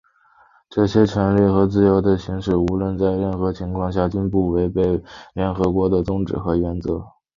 这些权利和自由的行使,无论在任何情形下均不得违背联合国的宗旨和原则。